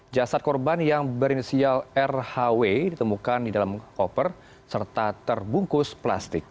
jasad korban yang berinisial rhw ditemukan di dalam koper serta terbungkus plastik